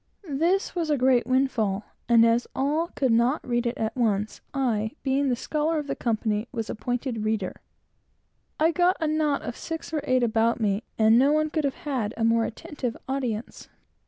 This was a great windfall, and as all could not read it at once, I, being the scholar of the company, was appointed reader. I got a knot of six or eight about me, and no one could have had a more attentive audience.